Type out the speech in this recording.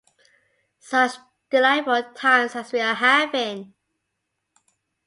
Such delightful times as we are having!